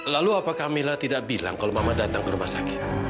lalu apakah mila tidak bilang kalau mama datang ke rumah sakit